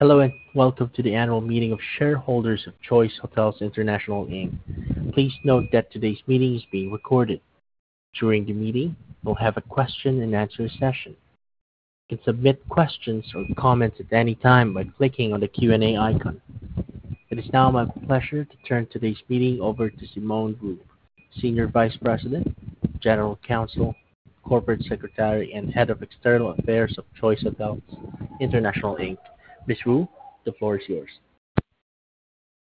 Hello and welcome to the annual meeting of shareholders of Choice Hotels International Inc. Please note that today's meeting is being recorded. During the meeting, we'll have a question-and-answer session. You can submit questions or comments at any time by clicking on the Q&A icon. It is now my pleasure to turn today's meeting over to Simone Wu, Senior Vice President, General Counsel, Corporate Secretary, and Head of External Affairs of Choice Hotels International. Ms. Wu, the floor is yours.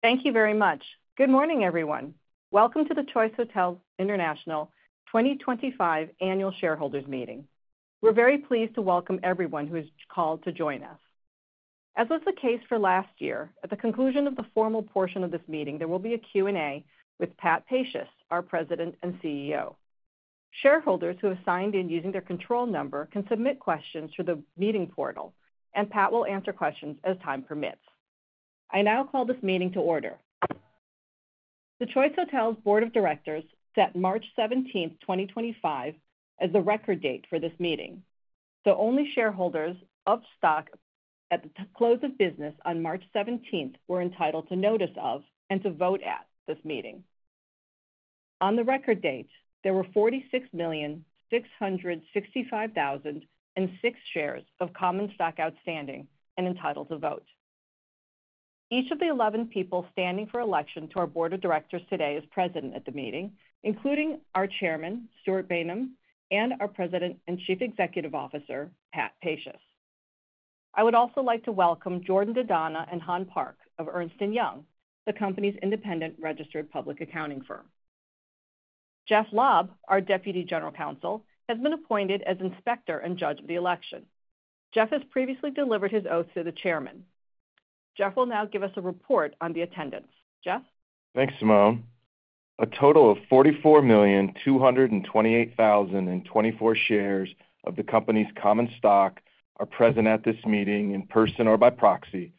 Thank you very much. Good morning, everyone. Welcome to the Choice Hotels International 2025 Annual Shareholders Meeting. We're very pleased to welcome everyone who has called to join us. As was the case for last year, at the conclusion of the formal portion of this meeting, there will be a Q&A with Pat Pacious, our President and CEO. Shareholders who have signed in using their control number can submit questions through the meeting portal, and Pat will answer questions as time permits. I now call this meeting to order. The Choice Hotels Board of Directors set March 17th, 2025, as the record date for this meeting. So only shareholders of stock at the close of business on March 17th were entitled to notice of and to vote at this meeting. On the record date, there were 46,665,006 shares of common stock outstanding and entitled to vote. Each of the eleven people standing for election to our Board of Directors today is present at the meeting, including our Chairman, Stewart Bainum, and our President and Chief Executive Officer, Pat Pacious. I would also like to welcome Jordan Dedona and Han Park of Ernst & Young, the company's independent registered public accounting firm. Jeff Lobb, our Deputy General Counsel, has been appointed as Inspector and Judge of the Election. Jeff has previously delivered his oath to the Chairman. Jeff will now give us a report on the attendance. Jeff? Thanks, Simone. A total of 44,228,024 shares of the company's common stock are present at this meeting in person or by proxy.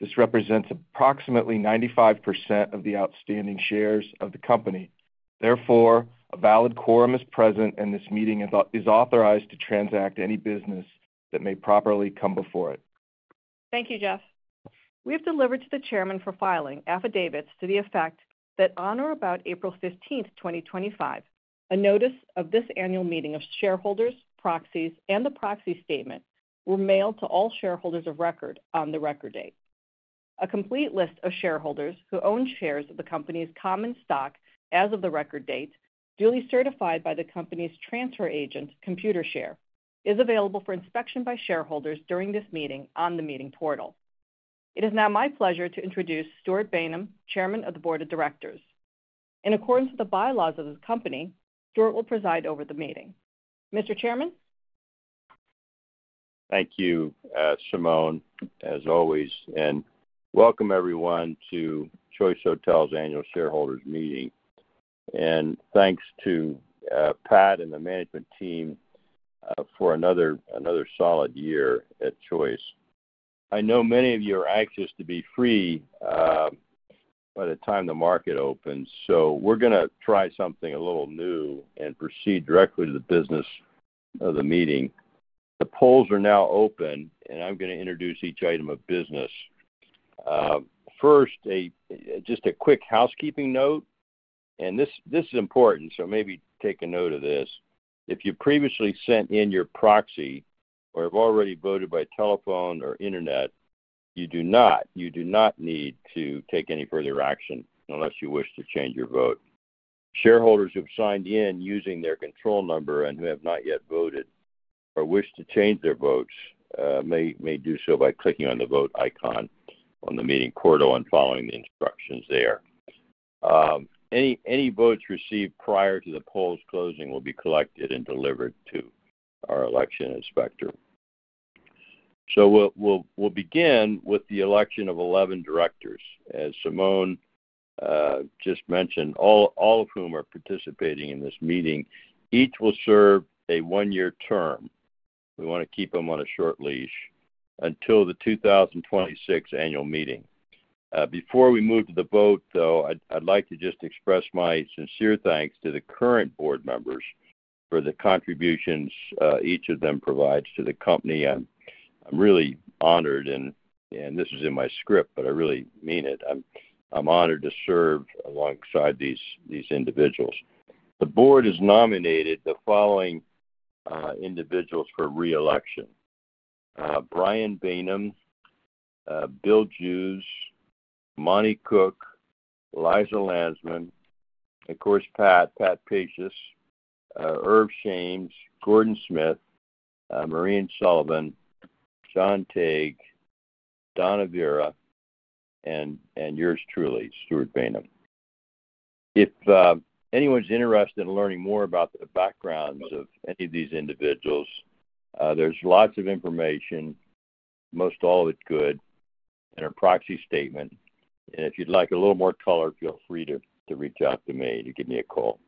This represents approximately 95% of the outstanding shares of the company. Therefore, a valid quorum is present, and this meeting is authorized to transact any business that may properly come before it. Thank you, Jeff. We have delivered to the Chairman for filing affidavits to the effect that on or about April 15th, 2025, a notice of this annual meeting of shareholders, proxies, and the proxy statement were mailed to all shareholders of record on the record date. A complete list of shareholders who own shares of the company's common stock as of the record date, duly certified by the company's transfer agent, Computershare, is available for inspection by shareholders during this meeting on the meeting portal. It is now my pleasure to introduce Stewart Bainum, Chairman of the Board of Directors. In accordance with the bylaws of the company, Stewart will preside over the meeting. Mr. Chairman? Thank you, Simone, as always. Welcome, everyone, to Choice Hotels Annual Shareholders Meeting. Thanks to Pat and the management team for another solid year at Choice. I know many of you are anxious to be free by the time the market opens, so we're going to try something a little new and proceed directly to the business of the meeting. The polls are now open, and I'm going to introduce each item of business. First, just a quick housekeeping note, and this is important, so maybe take a note of this. If you previously sent in your proxy or have already voted by telephone or internet, you do not need to take any further action unless you wish to change your vote. Shareholders who have signed in using their control number and who have not yet voted or wish to change their votes may do so by clicking on the vote icon on the meeting portal and following the instructions there. Any votes received prior to the polls closing will be collected and delivered to our election inspector. We will begin with the election of 11 directors, as Simone just mentioned, all of whom are participating in this meeting. Each will serve a one-year term. We want to keep them on a short leash until the 2026 annual meeting. Before we move to the vote, though, I'd like to just express my sincere thanks to the current board members for the contributions each of them provides to the company. I'm really honored, and this is in my script, but I really mean it. I'm honored to serve alongside these individuals. The board has nominated the following individuals for reelection: Brian Bainum, Bill Jews, Monte Koch, Liza Landsman, of course, Pat, Pat Pacious, Erv Shames, Gordon Smith, Maureen Sullivan, John Tague, Donna Vieira, and yours truly, Stewart Bainum. If anyone's interested in learning more about the backgrounds of any of these individuals, there's lots of information, most all of it good, in our proxy statement. If you'd like a little more color, feel free to reach out to me to give me a call.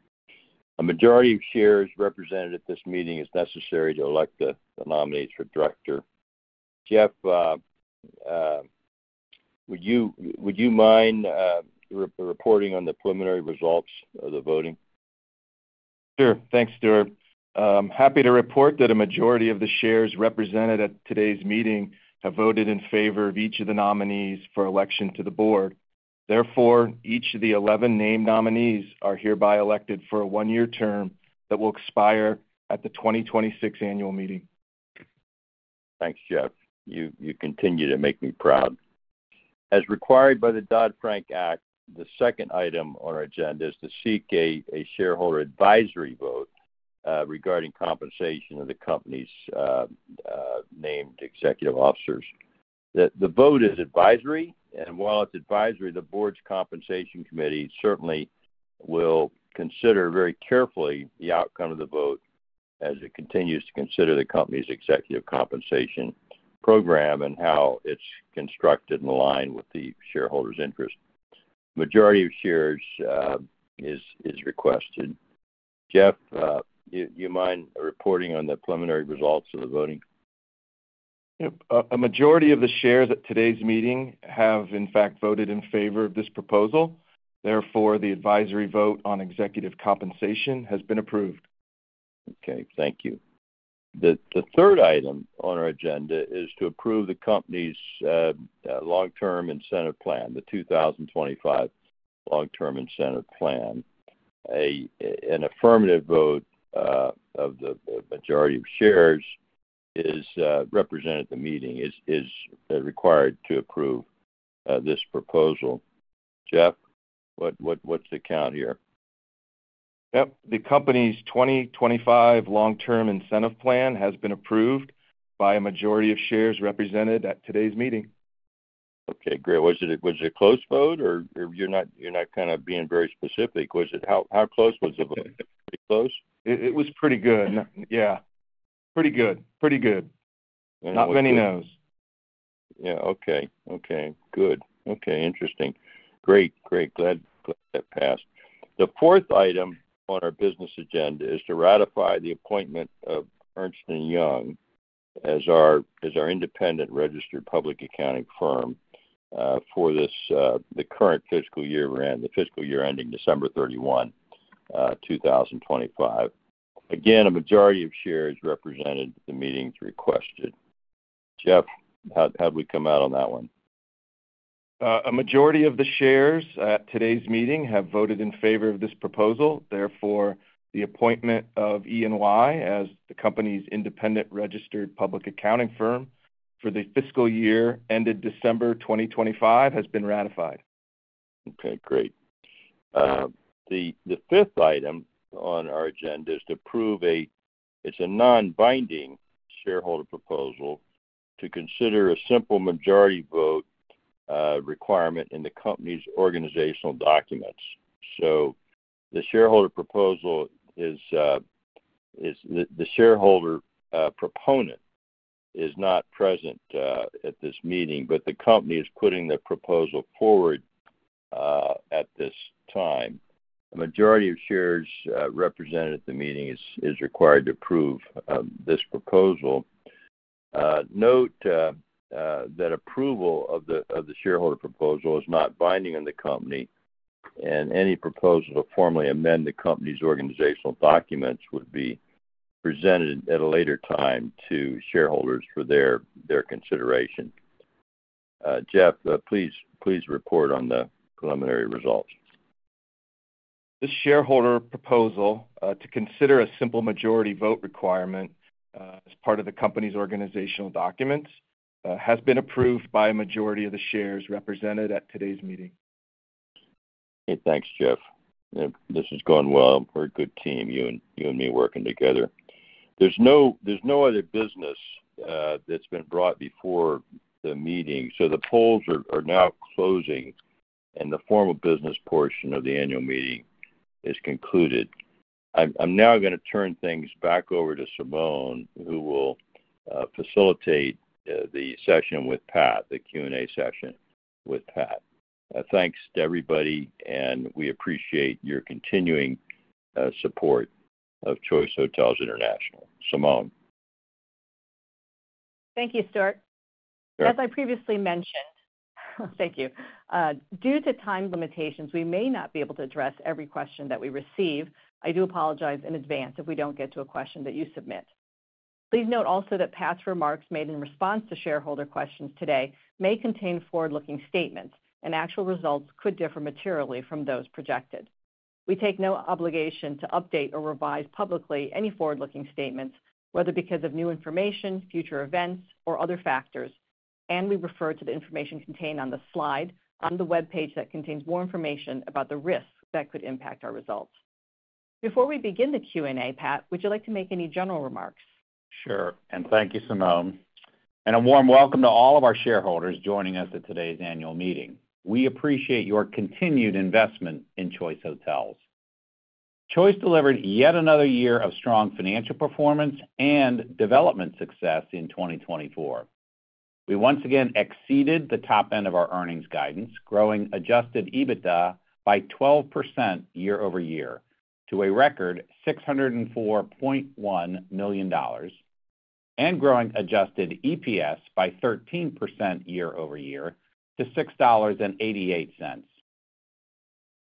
A majority of shares represented at this meeting is necessary to elect the nominees for director. Jeff, would you mind reporting on the preliminary results of the voting? Sure. Thanks, Stewart. I'm happy to report that a majority of the shares represented at today's meeting have voted in favor of each of the nominees for election to the board. Therefore, each of the 11 named nominees are hereby elected for a one-year term that will expire at the 2026 annual meeting. Thanks, Jeff. You continue to make me proud. As required by the Dodd-Frank Act, the second item on our agenda is to seek a shareholder advisory vote regarding compensation of the company's named executive officers. The vote is advisory, and while it's advisory, the board's compensation committee certainly will consider very carefully the outcome of the vote as it continues to consider the company's executive compensation program and how it's constructed in line with the shareholders' interests. A majority of shares is requested. Jeff, do you mind reporting on the preliminary results of the voting? Yep. A majority of the shares at today's meeting have, in fact, voted in favor of this proposal. Therefore, the advisory vote on executive compensation has been approved. Okay. Thank you. The third item on our agenda is to approve the company's Long-Term Incentive Plan, the 2025 Long-Term Incentive Plan. An affirmative vote of the majority of shares represented at the meeting is required to approve this proposal. Jeff, what's the count here? Yep. The company's 2025 Long-Term Incentive Plan has been approved by a majority of shares represented at today's meeting. Okay. Great. Was it a close vote, or you're not kind of being very specific? How close was the vote? Pretty close? It was pretty good. Yeah. Pretty good. Pretty good. Not many nos. Yeah. Okay. Okay. Good. Okay. Interesting. Great. Great. Glad that passed. The fourth item on our business agenda is to ratify the appointment of Ernst & Young as our independent registered public accounting firm for the current fiscal year we're in, the fiscal year ending December 31, 2025. Again, a majority of shares represented at the meeting is requested. Jeff, how did we come out on that one? A majority of the shares at today's meeting have voted in favor of this proposal. Therefore, the appointment of E&Y as the company's independent registered public accounting firm for the fiscal year ended December 2025 has been ratified. Okay. Great. The fifth item on our agenda is to approve a, it's a non-binding shareholder proposal to consider a simple majority vote requirement in the company's organizational documents. The shareholder proposal is, the shareholder proponent is not present at this meeting, but the company is putting the proposal forward at this time. A majority of shares represented at the meeting is required to approve this proposal. Note that approval of the shareholder proposal is not binding on the company, and any proposal to formally amend the company's organizational documents would be presented at a later time to shareholders for their consideration. Jeff, please report on the preliminary results. This shareholder proposal to consider a simple majority vote requirement as part of the company's organizational documents has been approved by a majority of the shares represented at today's meeting. Okay. Thanks, Jeff. This has gone well. We're a good team, you and me working together. There's no other business that's been brought before the meeting, so the polls are now closing, and the formal business portion of the annual meeting is concluded. I'm now going to turn things back over to Simone, who will facilitate the session with Pat, the Q&A session with Pat. Thanks to everybody, and we appreciate your continuing support of Choice Hotels International. Simone. Thank you, Stewart. As I previously mentioned, thank you. Due to time limitations, we may not be able to address every question that we receive. I do apologize in advance if we do not get to a question that you submit. Please note also that Pat's remarks made in response to shareholder questions today may contain forward-looking statements, and actual results could differ materially from those projected. We take no obligation to update or revise publicly any forward-looking statements, whether because of new information, future events, or other factors, and we refer to the information contained on the slide on the web page that contains more information about the risks that could impact our results. Before we begin the Q&A, Pat, would you like to make any general remarks? Sure. Thank you, Simone. A warm welcome to all of our shareholders joining us at today's annual meeting. We appreciate your continued investment in Choice Hotels. Choice delivered yet another year of strong financial performance and development success in 2024. We once again exceeded the top end of our earnings guidance, growing adjusted EBITDA by 12% year-over-year to a record $604.1 million, and growing adjusted EPS by 13% year-over-year to $6.88.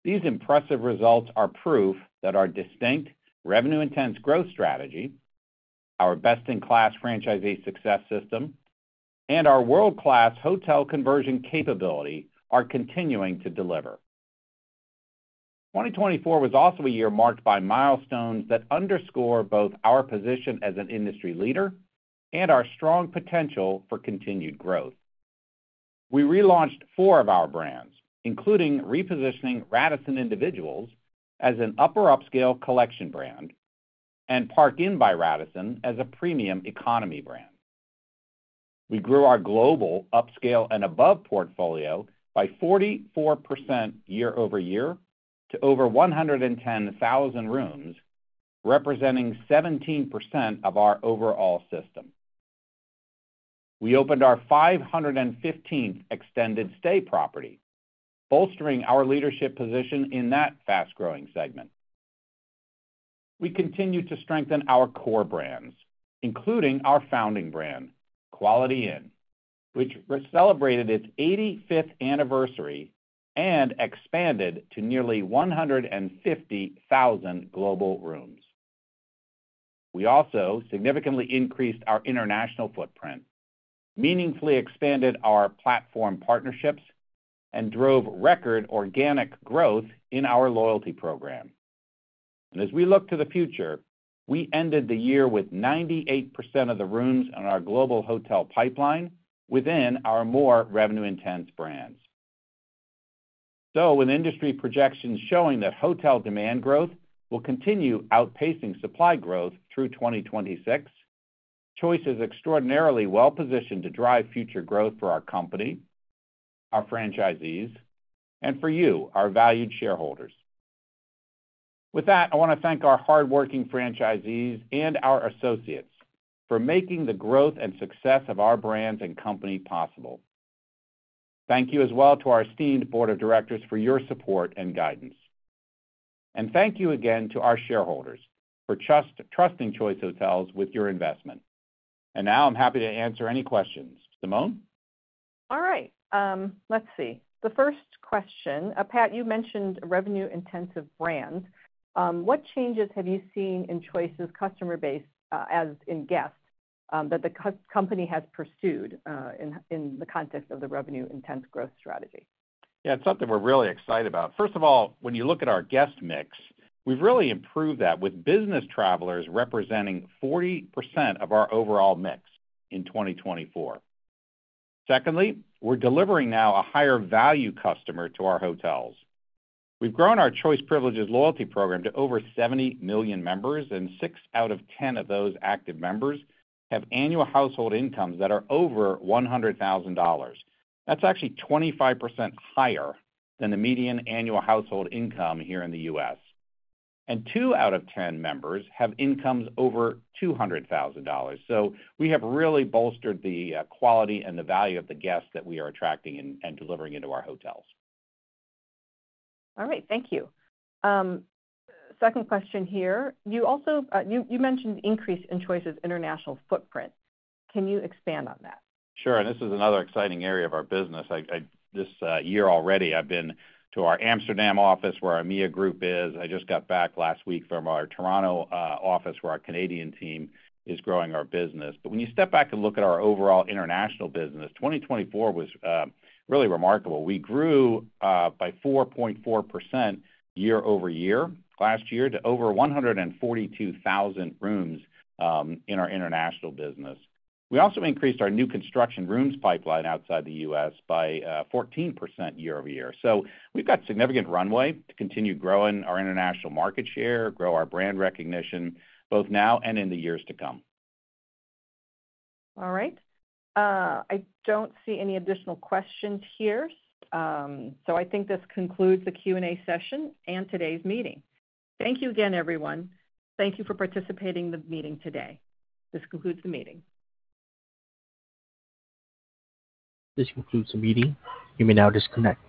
These impressive results are proof that our distinct revenue-intense growth strategy, our best-in-class franchisee success system, and our world-class hotel conversion capability are continuing to deliver. 2024 was also a year marked by milestones that underscore both our position as an industry leader and our strong potential for continued growth. We relaunched four of our brands, including repositioning Radisson Individuals as an upper-upscale collection brand and Park Inn by Radisson as a premium economy brand. We grew our global upscale and above portfolio by 44% year-over-year to over 110,000 rooms, representing 17% of our overall system. We opened our 515th extended stay property, bolstering our leadership position in that fast-growing segment. We continue to strengthen our core brands, including our founding brand, Quality Inn, which celebrated its 85th anniversary and expanded to nearly 150,000 global rooms. We also significantly increased our international footprint, meaningfully expanded our platform partnerships, and drove record organic growth in our loyalty program. As we look to the future, we ended the year with 98% of the rooms in our global hotel pipeline within our more revenue-intense brands. With industry projections showing that hotel demand growth will continue outpacing supply growth through 2026, Choice is extraordinarily well-positioned to drive future growth for our company, our franchisees, and for you, our valued shareholders. With that, I want to thank our hardworking franchisees and our associates for making the growth and success of our brands and company possible. Thank you as well to our esteemed Board of Directors for your support and guidance. Thank you again to our shareholders for trusting Choice Hotels with your investment. Now I'm happy to answer any questions. Simone? All right. Let's see. The first question. Pat, you mentioned revenue-intensive brands. What changes have you seen in Choice's customer base, as in guests, that the company has pursued in the context of the revenue-intense growth strategy? Yeah. It's something we're really excited about. First of all, when you look at our guest mix, we've really improved that with business travelers representing 40% of our overall mix in 2024. Secondly, we're delivering now a higher-value customer to our hotels. We've grown our Choice Privileges loyalty program to over 70 million members, and six out of 10 of those active members have annual household incomes that are over $100,000. That's actually 25% higher than the median annual household income here in the U.S. Two out of 10 members have incomes over $200,000. We have really bolstered the quality and the value of the guests that we are attracting and delivering into our hotels. All right. Thank you. Second question here. You mentioned increase in Choice's international footprint. Can you expand on that? Sure. This is another exciting area of our business. This year already, I've been to our Amsterdam office where our EMEA Group is. I just got back last week from our Toronto office where our Canadian team is growing our business. When you step back and look at our overall international business, 2024 was really remarkable. We grew by 4.4% year-over-year last year to over 142,000 rooms in our international business. We also increased our new construction rooms pipeline outside the U.S. by 14% year-over-year. We've got significant runway to continue growing our international market share, grow our brand recognition, both now and in the years to come. All right. I don't see any additional questions here. I think this concludes the Q&A session and today's meeting. Thank you again, everyone. Thank you for participating in the meeting today. This concludes the meeting. This concludes the meeting. You may now disconnect.